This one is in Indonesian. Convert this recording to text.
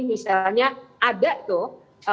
misalnya ada tuh